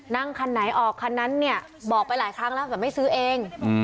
นั่งคันไหนออกคันนั้นเนี่ยบอกไปหลายครั้งแล้วแต่ไม่ซื้อเอง